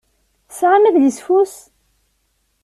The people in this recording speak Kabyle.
Tesɛam adlisfus?